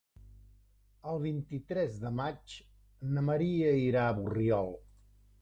El vint-i-tres de maig na Maria irà a Borriol.